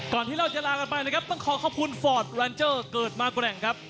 ที่เราจะลากันไปนะครับต้องขอขอบคุณฟอร์ดแวนเจอร์เกิดมาแกร่งครับ